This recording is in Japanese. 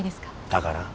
だから？